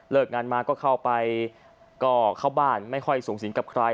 งานมาก็เข้าไปก็เข้าบ้านไม่ค่อยสูงสิงกับใคร